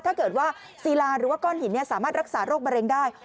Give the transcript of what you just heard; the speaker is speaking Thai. ถ้าเกิดว่าซีลาหรือว่าก้อนหินสามารถรักษาโรคมะเร็งได้